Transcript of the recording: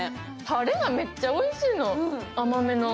たれがめっちゃおいしいの、甘めの。